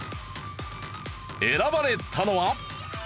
選ばれたのは。